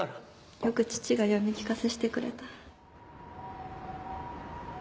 よく父が読み聞かせしてくれた